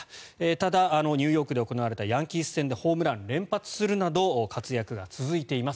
ただ、ニューヨークで行われたヤンキース戦でホームラン連発するなど活躍が続いています。